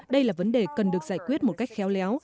đây là vấn đề cần được giải quyết một cách khéo léo